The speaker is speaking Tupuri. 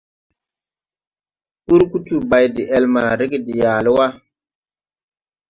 Ngurgutu bay de-ɛl ma rege de yaale wà.